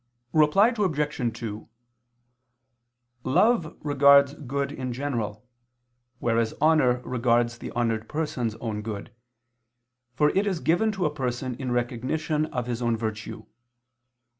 Reply Obj. 2: Love regards good in general, whereas honor regards the honored person's own good, for it is given to a person in recognition of his own virtue.